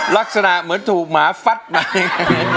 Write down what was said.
ลักษณะเหมือนถูกหมาฟัดมาเอง